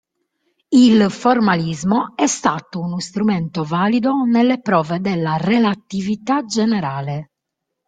Il formalismo è stato uno strumento valido nelle prove della relatività generale.